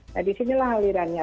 nah di sinilah halirannya